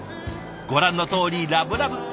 ご覧のとおりラブラブ。